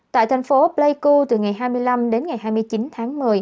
tại thành phố pleiku từ ngày hai mươi năm đến ngày hai mươi chín tháng một mươi